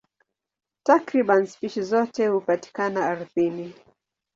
Takriban spishi zote hupatikana ardhini.